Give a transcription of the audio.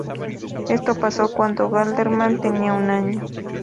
Esto pasó cuando Waldemar tenía un año.